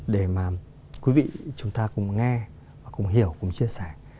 để mà quý vị chúng ta cùng nghe và cùng hiểu cùng chia sẻ